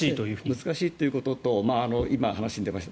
難しいということと今、話に出ました